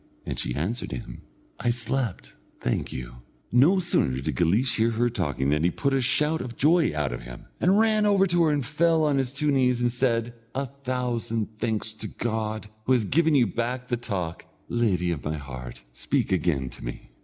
And she answered him: "I slept, thank you." No sooner did Guleesh hear her talking than he put a shout of joy out of him, and ran over to her and fell on his two knees, and said: "A thousand thanks to God, who has given you back the talk; lady of my heart, speak again to me."